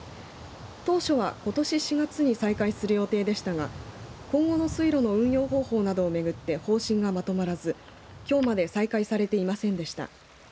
当初は、ことし４月に再開する予定でしたが今後の水路の運用方法などを巡って方針がまとまらずきょうまで再開されていませんでした。